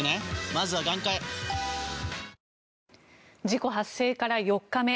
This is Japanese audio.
事故発生から４日目。